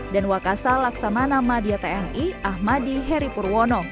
dan wakasa laksamana madia tni ahmadi heripur